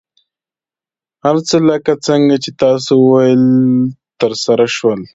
هر څه لکه څنګه چې تاسو وویل، ترسره شول.